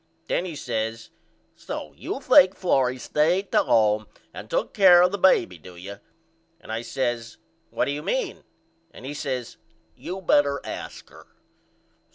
Then he says So you think Florrie stayed to home and took care of the baby do you? And I says What do you mean? And he says You better ask her.